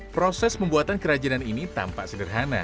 proses pembuatan kerajinan ini tampak sederhana